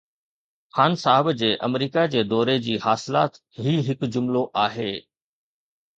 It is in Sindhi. خان صاحب جي آمريڪا جي دوري جي حاصلات هي هڪ جملو آهي.